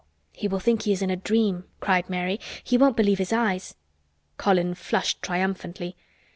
'" "He will think he is in a dream," cried Mary. "He won't believe his eyes." Colin flushed triumphantly.